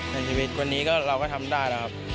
ในชีวิตวันนี้เราก็ทำได้แล้วครับ